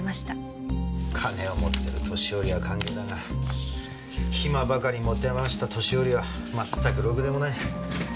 金を持ってる年寄りは歓迎だが暇ばかり持て余した年寄りはまったくろくでもない。